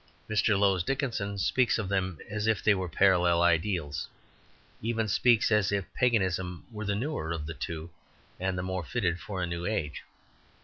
Mr. Lowes Dickinson speaks of them as if they were parallel ideals even speaks as if Paganism were the newer of the two, and the more fitted for a new age.